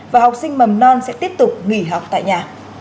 và học sinh mầm non sẽ tiếp tục nghỉ học tại nhà